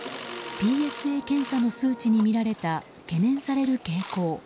ＰＳＡ検査の数値に見られた懸念される傾向。